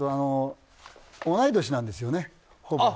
同い年なんですよね